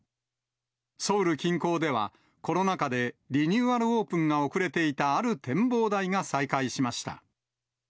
ソウル近郊では、コロナ禍でリニューアルオープンが遅れていた、ある展望台が再開しました。